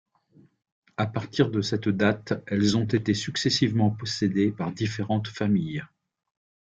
À partir de cette date elles ont été successivement possédées par différentes familles.